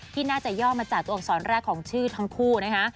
ที่น่าจะย่อมาจากตัวอักษรแรกของชื่อทั้งคู่นะคะ